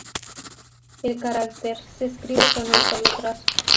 El carácter の se escribe con un solo trazo.